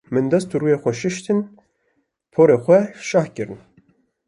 Min dest û rûyên xwe şûştin, porê xwe şeh kir.